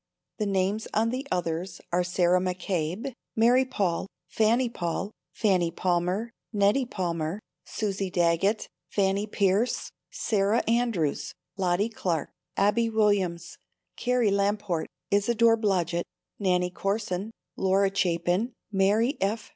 The names on the others are Sarah McCabe, Mary Paul, Fannie Paul, Fannie Palmer, Nettie Palmer, Susie Daggett, Fannie Pierce, Sarah Andrews, Lottie Clark, Abbie Williams, Carrie Lamport, Isadore Blodgett, Nannie Corson, Laura Chapin, Mary F.